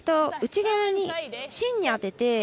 内側、芯に当てて。